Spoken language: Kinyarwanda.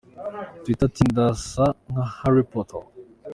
Twitter ati Ndasa nka Harry Potter!.